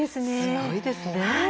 すごいですね。